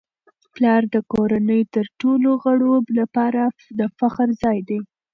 پلار د کورنی د ټولو غړو لپاره د فخر ځای دی.